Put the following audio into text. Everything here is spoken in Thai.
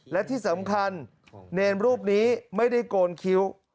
และที่สำคัญเนรรูปนี้ไม่ได้โกนคิ้ว